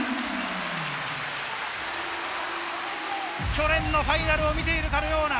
去年のファイナルを見ているかのような。